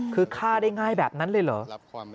คือฆ่าได้ง่ายแบบนั้นเลยเหรอ